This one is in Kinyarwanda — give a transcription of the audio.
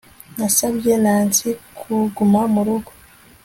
Nasabye Nancy kuguma murugo